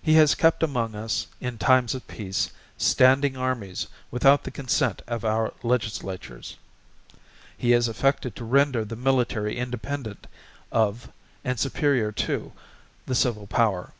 He has kept among us, in times of peace, Standing Armies without the Consent of our legislatures. He has affected to render the Military independent of and superior to the Civil Power.